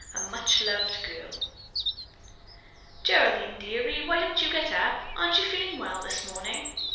A MUCH LOVED GIRL "Geraldine, dearie, why don't you get up? Aren't you feeling well this morning?"